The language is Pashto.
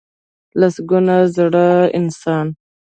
لسګونه زره انسانان .